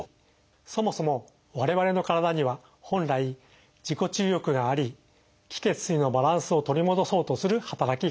そもそも我々の体には本来自己治癒力があり「気・血・水」のバランスを取り戻そうとする働きがあります。